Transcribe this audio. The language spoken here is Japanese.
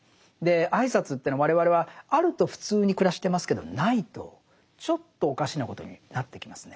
挨拶っていうのは我々はあると普通に暮らしてますけどないとちょっとおかしなことになってきますね。